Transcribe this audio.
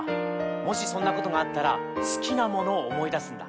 もしそんなことがあったらすきなものをおもいだすんだ。